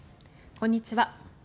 こんにちは。